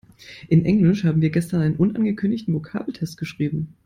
In Englisch haben wir gestern einen unangekündigten Vokabeltest geschrieben.